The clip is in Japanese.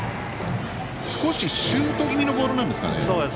少しシュート気味のボールなんですかね。